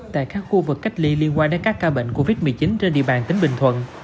tại các khu vực cách ly liên quan đến các ca bệnh covid một mươi chín trên địa bàn tỉnh bình thuận